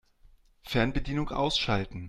Fernbedienung ausschalten.